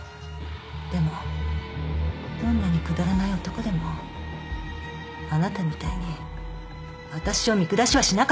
でもどんなにくだらない男でもあなたみたいに私を見下しはしなかった。